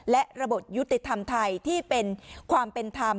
และระบบยุติธรรมไทยที่เป็นความเป็นธรรม